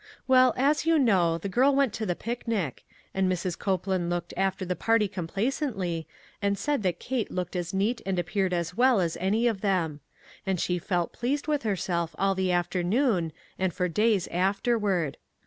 Well, as you know, the girl went to the picnic; and Mrs. Copeland looked after the party complacently, and said that Kate looked as neat and appeared as well as any of them ; and she felt pleased with herself all the afternoon and for days af terward.